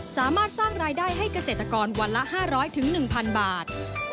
สามารถสร้างรายได้ให้เกษตรกรวันละ๕๐๐๑๐๐บาท